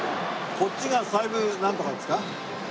こっちが西部なんとかですか？